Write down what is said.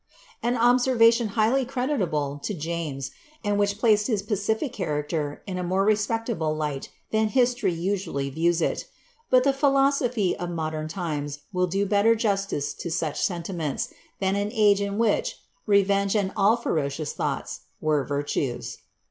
An observation highly creditable to ames, and which placed his pacific character in a more respectable light than history usually views it ; but the philosophy of modem times will do better jtistice to such sentiments, than an age in which ^ revenge and all ferocious thoughts" were virtues.